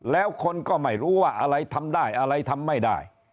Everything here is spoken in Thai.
แล้วคนก็ไม่รู้ว่าอะไรทำได้อะไรทำไม่ได้